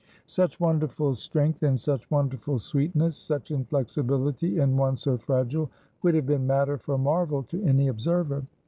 Such wonderful strength in such wonderful sweetness; such inflexibility in one so fragile, would have been matter for marvel to any observer.